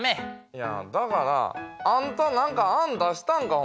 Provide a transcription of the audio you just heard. いやだからあんたなんかあんだしたんか？